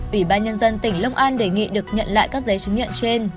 ủy ban nhân dân tỉnh long an đề nghị được nhận lại các giấy chứng nhận trên